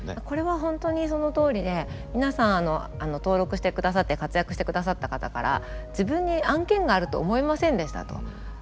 これは本当にそのとおりで皆さん登録してくださって活躍してくださった方から自分に案件があると思いませんでしたと。